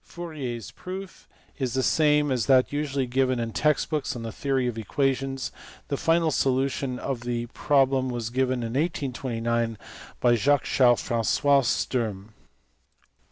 Fourier s proof is the same as that usually given in text books on the theory of equations. The final solution of the problem was given in 1829 by Jacques Charles Fra^ois Sturm.